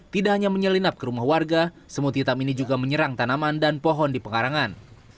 tidak hanya menyelinap ke rumah warga semut hitam ini juga menyerang tanaman dan pohon di pengarangan